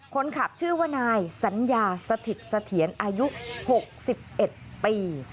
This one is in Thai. ค้นขับชื่อว่านายสัญญาสถิติเสถียรอายุหกสิบเอ็ดปี